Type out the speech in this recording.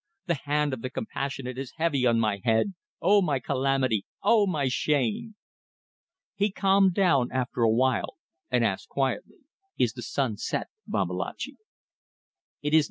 The hand of the Compassionate is heavy on my head! Oh, my calamity! Oh, my shame!" He calmed down after a while, and asked quietly "Is the sun set, Babalatchi?"